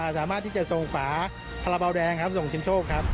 สามารถที่จะส่งฝาพลาบาวแดงส่งชิ้นโชคครับ